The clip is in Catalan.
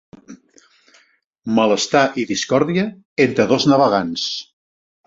Malestar i discòrdia entre dos navegants.